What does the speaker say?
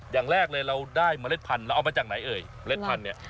อย่างแรกเลยเราได้เมล็ดพันธุ์เราเอามาจากไหนเอ่ยเมล็ดพันธุ์เนี่ย